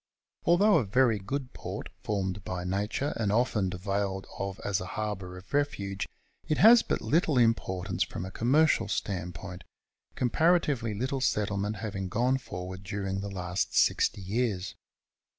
Although a very good port, formed by nature, and often availed of as a harbour of refuge, it has but little importance from a com mercial standpoint, comparatively little settlement having gone forward during the last sixty years.